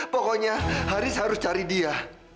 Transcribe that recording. pokoknya haris harus cari dia